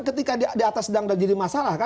ketika di atas sedang dan jadi masalah